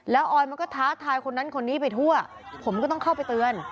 แล้วออยมันก็ท้าทายคนนั้นคนนี้ไปทั่วผมก็ต้องเข้าไปเตือน